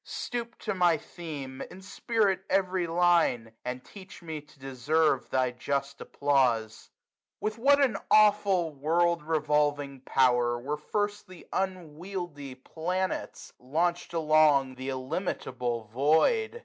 Stoop to my theme, inspirit every line, 30 And teach me to deserve thy just applause. SUMMER. 51 With what an aweful world revolving power Were first the unwieldy planets launched along Th* illimitable void